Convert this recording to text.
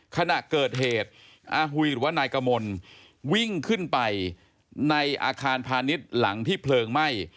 ขณะเกิดเหตุอาหุยหรือว่านายกมลวิ่งขึ้นไปในอาคารพาณิชย์หลังที่เพลิงไหม้